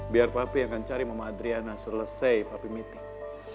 biar papi akan cari mama adriana selesai papi meeting